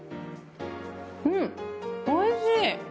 うん、おいしい！